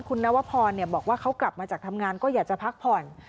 คุณนวพรบอกว่าเขากลับมาจากทำงานก็อยากจะพักผ่อน